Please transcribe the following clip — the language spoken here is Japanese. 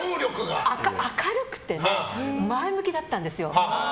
明るくて前向きだったんですよ。